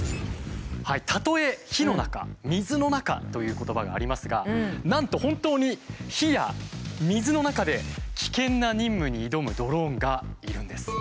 「たとえ火の中水の中」という言葉がありますがなんと本当に火や水の中で危険な任務に挑むドローンがいるんです。